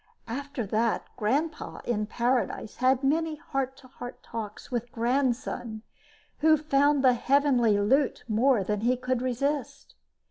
After that, Grandpa in paradise had many heart to heart talks with Grandson, who found the heavenly loot more than he could resist.